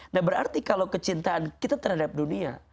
nah berarti kalau kecintaan kita terhadap dunia